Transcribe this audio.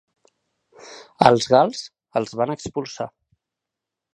Els gals els van expulsar.